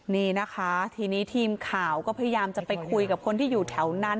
นี่นะคะทีนี้ทีมข่าวก็พยายามจะไปคุยกับคนที่อยู่แถวนั้น